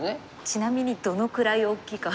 ちなみにどのくらい大きいか。